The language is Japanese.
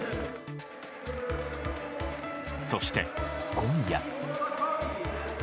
そして今夜。